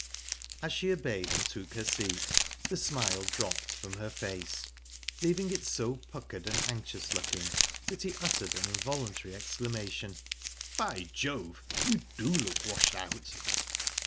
As she obeyed and took her seat, the smile dropped from her face, leaving it so puckered and anxious looking that he uttered an involuntary exclamation: "By Jove! You do look washed out."